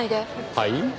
はい？